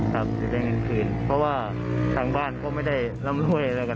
จะได้เงินคืนเพราะว่าทางบ้านก็ไม่ได้ล้ำห้วยอะไรกัน